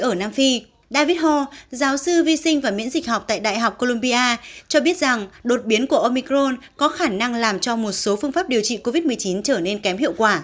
ở nam phi david ho giáo sư vi sinh và miễn dịch học tại đại học colombia cho biết rằng đột biến của omicron có khả năng làm cho một số phương pháp điều trị covid một mươi chín trở nên kém hiệu quả